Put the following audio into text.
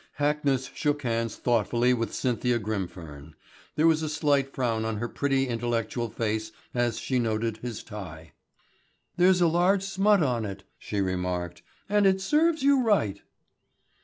Hackness shook hands thoughtfully with Cynthia Grimfern. There was a slight frown on her pretty intellectual face as she noted his tie. "There's a large smut on it," she remarked, "and it serves you right."